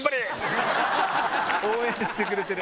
応援してくれてる。